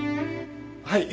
はい！